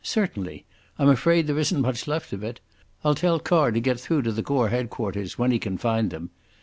"Certainly. I'm afraid there isn't much left of it. I'll tell Carr to get through to the Corps Headquarters, when he can find them.